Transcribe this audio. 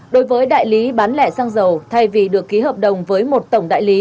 đối với đại lý bán lẻ xăng dầu thay vì được ký hợp đồng với một tổng đại lý